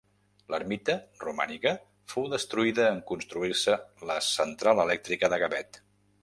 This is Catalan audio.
L'ermita, romànica, fou destruïda en construir-se la central elèctrica de Gavet.